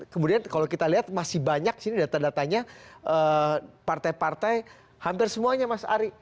kemudian kalau kita lihat masih banyak sini data datanya partai partai hampir semuanya mas ari